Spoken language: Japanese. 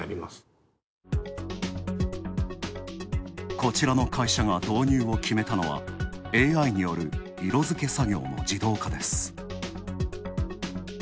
こちらの会社が導入を決めたのはＡＩによる色づけ作業の自動化です。